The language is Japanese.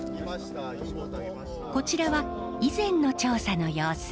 こちらは以前の調査の様子。